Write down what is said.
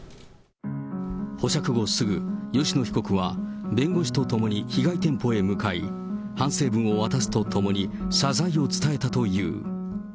保釈後すぐ、吉野被告は弁護士と共に被害店舗へ向かい、反省文を渡すとともに、謝罪を伝えたという。